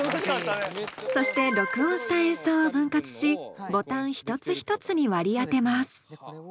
そして録音した演奏を分割しボタン一つ一つに割り当てます。